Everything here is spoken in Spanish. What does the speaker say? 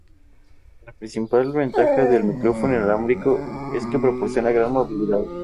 La principal ventaja del micrófono inalámbrico es que proporciona gran movilidad.